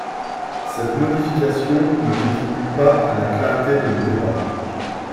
Cette modification ne contribue pas à la clarté de nos débats.